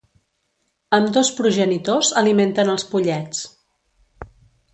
Ambdós progenitors alimenten els pollets.